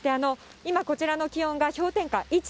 今、こちらの気温が氷点下